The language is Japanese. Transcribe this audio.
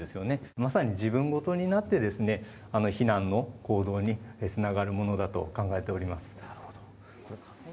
まさに自分事になって、避難の行動につながるものだと考えております。